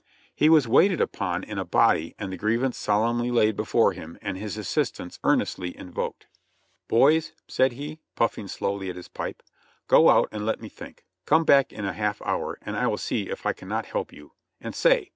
He was waited upon in ui'E IN the; barracks 29 a body and the grievance solemnly laid before him and his assist ance earnestly invoked. "Boys," said he, puffing slowly at his pipe, "go out and let me think ; come back in a half hour and I will see if I cannot help you, and say!